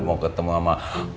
mau ketemu sama